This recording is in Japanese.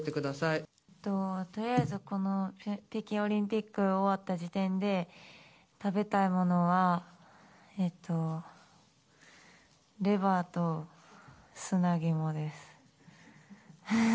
とりあえず、この北京オリンピック終わった時点で食べたいものは、レバーと砂肝です。